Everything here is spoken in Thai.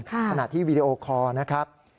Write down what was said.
ขณะที่วีดีโอคอร์นะครับ